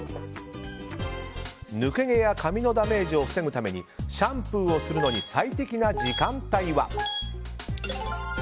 抜け毛や髪のダメージを防ぐためにシャンプーをするのに最適な時間帯は。